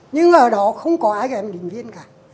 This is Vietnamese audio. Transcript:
nhưng ở đó không có ai là giám định viên cả